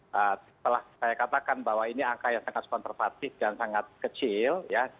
setelah saya katakan bahwa ini angka yang sangat konservatif dan sangat kecil